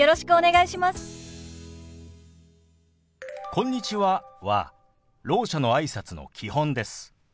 「こんにちは」はろう者のあいさつの基本です。